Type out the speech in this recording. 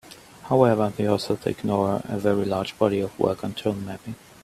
However, the authors ignore a very large body of work on tone mapping.